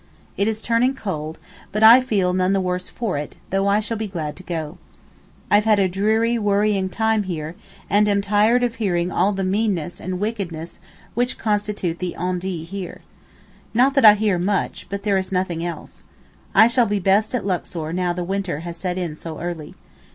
It is turning cold, but I feel none the worse for it, though I shall be glad to go. I've had a dreary, worrying time here, and am tired of hearing of all the meannesses and wickedness which constitute the on dits here. Not that I hear much, but there is nothing else. I shall be best at Luxor now the winter has set in so early.